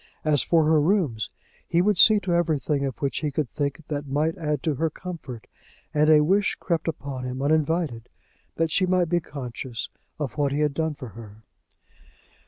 As for her rooms, he would see to everything of which he could think that might add to her comfort; and a wish crept upon him, uninvited, that she might be conscious of what he had done for her.